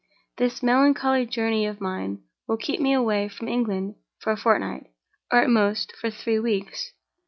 "This melancholy journey of mine will keep me away from England for a fortnight, or, at most, for three weeks.